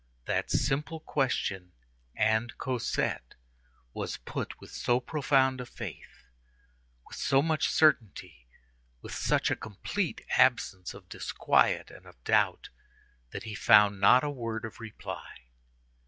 That simple question, "And Cosette?" was put with so profound a faith, with so much certainty, with such a complete absence of disquiet and of doubt, that he found not a word of reply.